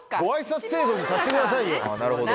なるほど。